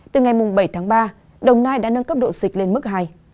từ ngày bảy tháng ba đồng nai đã nâng cấp độ dịch lên mức hai